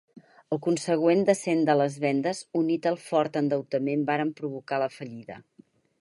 El consegüent descens de les vendes unit al fort endeutament varen provocar la fallida.